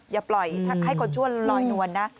อย่าปล่อยให้คนชั่วลอยนวลนะ